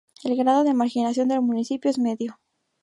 El grado de marginación del municipio es Medio.